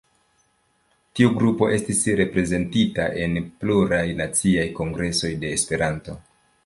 Tiu grupo estis reprezentita en pluraj naciaj kongresoj de Esperanto.